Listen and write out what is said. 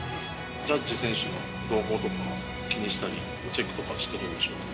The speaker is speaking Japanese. ジャッジ選手の動向とかは気にしたり、チェックしたりしてるんでしょうか？